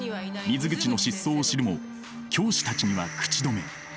水口の失踪を知るも教師たちには口止め。